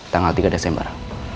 tanggal tiga desember